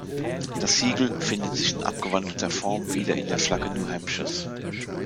Das Siegel findet sich in abgewandelter Form wieder in der Flagge New Hampshires.